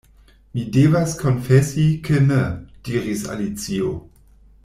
"Mi devas konfesi ke ne," diris Alicio.